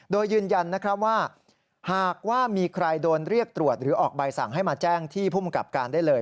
โดยยืนยันนะครับว่าหากว่ามีใครโดนเรียกตรวจหรือออกใบสั่งให้มาแจ้งที่ภูมิกับการได้เลย